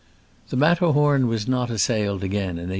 The Matterhorn was not assailed again in 1861.